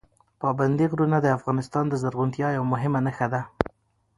پابندي غرونه د افغانستان د زرغونتیا یوه مهمه نښه ده.